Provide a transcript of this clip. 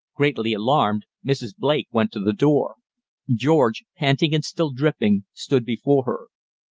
Greatly alarmed, Mrs. Blake went to the door. George, panting and still dripping, stood before her.